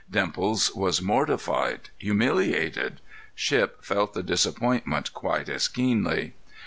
Dimples was mortified, humiliated; Shipp felt the disappointment quite as keenly.